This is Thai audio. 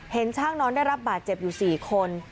เห็นช่างนอนได้รับบาดเจ็บอยู่๔คน